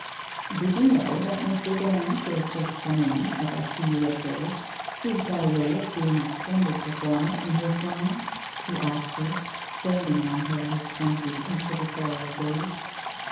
' Did you know that Mr. Dand, who has just come in, as I see you observe, is by way of being a splendid per former in this line ?' he asked her, bending on her his clumsy inquisitorial gaze.